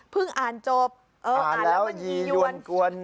เพิ่งอ่านจบอ่านแล้วมันยี่ยวนกวน